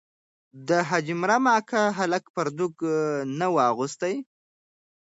د حاجي مریم اکا هلک پرتوګ نه وو اغوستی.